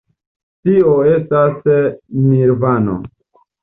Tio estas Nirvano.